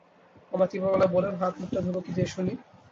মামা তীব্র গলায় বললেন, হাত-মুখটা ধোব কী দিয়ে, শুনি?